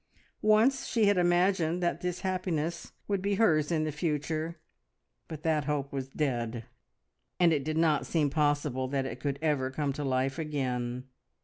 Once she had imagined that this happiness would be hers in the future, but that hope was dead, and it did not seem possible that it could ever come to life again.